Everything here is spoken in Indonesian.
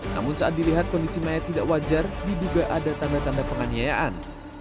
namun saat dilihat kondisi mayat tidak wajar diduga ada tanda tanda penganiayaan